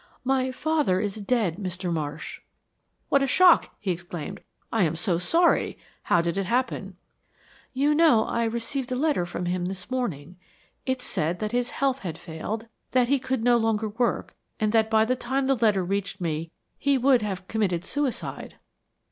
"My father is dead, Mr. Marsh." "What a shock!" he exclaimed. "I am so sorry. How did it happen?" "You know I received a letter from him this morning. It said that his health had failed, that he could no longer work, and that by the time the letter reached me he world have committed suicide."